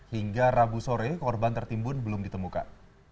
hingga rabu sore korban tertimbun belum ditemukan